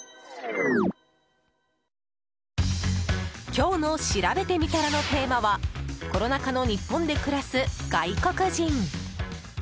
今日のしらべてみたらのテーマはコロナ禍の日本で暮らす外国人。